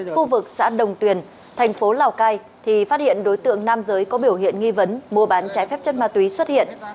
khu vực xã đồng tuyền thành phố lào cai thì phát hiện đối tượng nam giới có biểu hiện nghi vấn mua bán trái phép chất ma túy xuất hiện